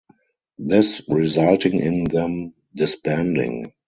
This resulting in them disbanding.